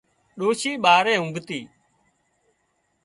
ڏوشي ٻاري اونگتِي